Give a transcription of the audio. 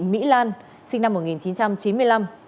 mỹ lan sinh năm một nghìn chín trăm chín mươi năm